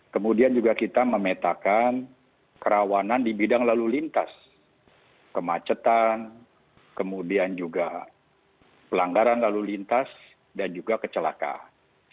kemudian juga kita memetakan kerawanan di bidang lalu lintas kemacetan kemudian juga pelanggaran lalu lintas dan juga kecelakaan